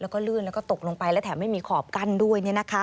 แล้วก็ลื่นแล้วก็ตกลงไปและแถมไม่มีขอบกั้นด้วย